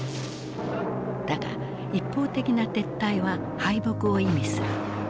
だが一方的な撤退は敗北を意味する。